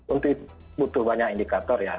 untuk butuh banyak indikator ya